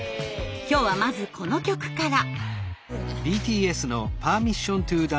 今日はまずこの曲から。